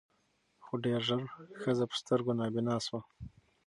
خو ډېر ژر ښځه په سترګو نابینا سوه